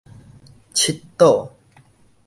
七堵